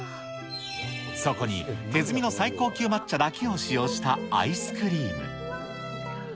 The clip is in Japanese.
そこに手摘みの最高級抹茶だけを使用したアイスクリーム。